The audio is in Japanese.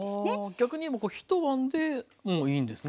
逆に言えば一晩でもういいんですね。